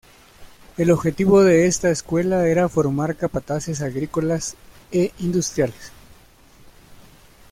El objetivo de esta escuela era formar capataces agrícolas e industriales.